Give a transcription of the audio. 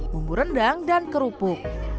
bumbu rendang dan kerupuk